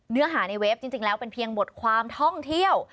เนื้อหาในเว็บจริงแล้วเป็นเพียงบทความท่องเที่ยว